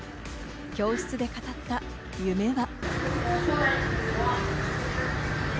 教室で語った夢は。